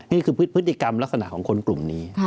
นี่คือพฤติกรรมลักษณะของคนกลุ่มนี้